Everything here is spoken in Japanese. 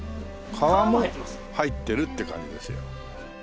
皮も入ってるって感じですよ。